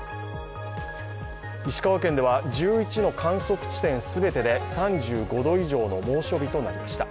石川県では、１１の観測地点全てで３５度以上の猛暑日となりました。